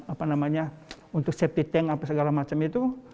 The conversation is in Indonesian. apa namanya untuk septic tank apa segala macam itu